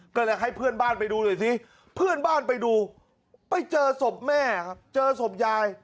ก็เลยให้เพื่อนบ้านไปดูหน่อยซิเพื่อนบ้านไปดูไปเจอศพแม่ครับเจอศพยาย